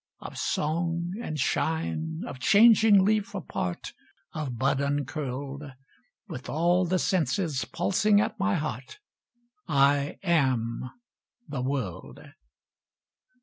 Of song and shine, of changing leaf apart, Of bud uncurled: With all the senses pulsing at my heart, I am the world.